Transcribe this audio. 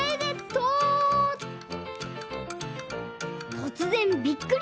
「とつぜんびっくり！